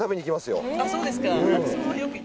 そうですか。